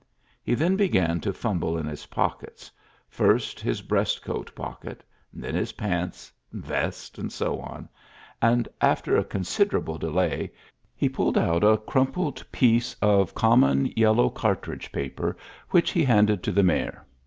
He then bega fdmble in his pockets, first his br< coat pocket, then his pants, vest, < ULYSSES S. GEANT 101 and after a considerable delay he ptdled out a crumpled piece of common yellow cartridge paper^ wMcli he handed to the mayor.